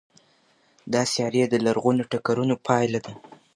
دا سیارې د لرغونو ټکرونو پایله ده.